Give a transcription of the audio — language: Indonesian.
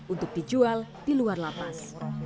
untuk dijual di luar lapas